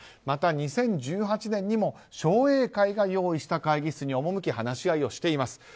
また２０１８年にも商栄会が用意した会議室に赴き話し合いをしています。